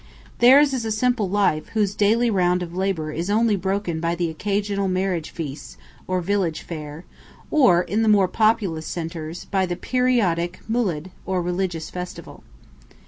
Theirs is a simple life whose daily round of labour is only broken by the occasional marriage feast, or village fair, or, in the more populous centres, by the periodic "Mūled," or religious festival.